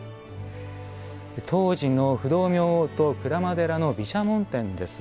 東寺の不動明王と鞍馬寺の毘沙門天です。